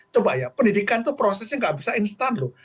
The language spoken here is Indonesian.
coba ya pendidikan itu prosesnya nggak bisa instan loh